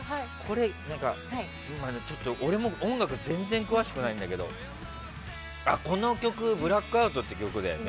俺も音楽全然詳しくないんだけどこの曲、「ブラックアウト」って曲だよね。